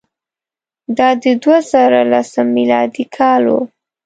دا د دوه زره لسم میلادي کال وو.